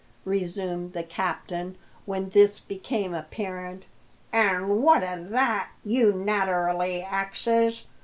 resumed the captain, when this became apparent; "an' what o' that? you naterally axes.